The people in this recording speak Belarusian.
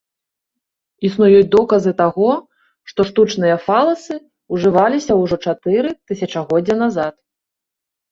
Існуюць доказы таго, што штучныя фаласы ўжываліся ўжо чатыры тысячагоддзя назад.